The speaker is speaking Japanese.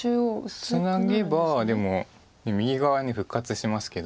ツナげばでも右側復活しますけど。